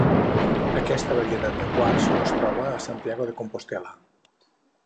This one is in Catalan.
Aquesta varietat de quars no es troba a Santiago de Compostel·la.